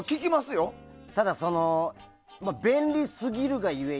ただ、便利すぎるがゆえに。